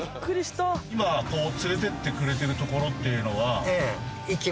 今連れてってくれてるところというのは。